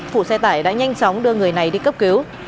phụ xe tải đã nhanh chóng đưa người này đi cấp cứu